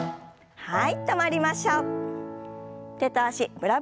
はい。